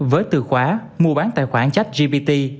với từ khóa mua bán tài khoản chách gbt